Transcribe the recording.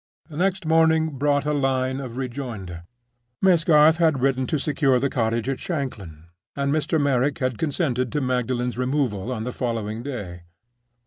The next morning brought a line of rejoinder. Miss Garth had written to secure the cottage at Shanklin, and Mr. Merrick had consented to Magdalen's removal on the following day.